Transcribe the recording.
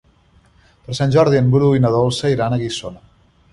Per Sant Jordi en Bru i na Dolça iran a Guissona.